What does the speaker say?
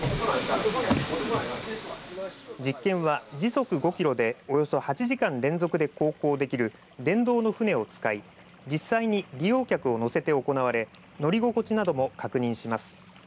実験は時速５キロでおよそ８時間連続で航行できる電動の船を使い実際に利用客を乗せて行われ乗り心地なども確認します。